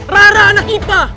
rara anak ipa